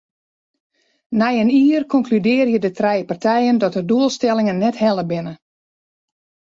Nei in jier konkludearje de trije partijen dat de doelstellingen net helle binne.